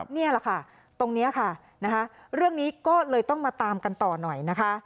นี่แหละค่ะตรงนี้ค่ะนะคะเรื่องนี้ก็เลยต้องมาตามกันต่อหน่อยนะคะ